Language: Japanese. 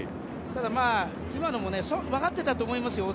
ただ、今のも分かっていたと思います。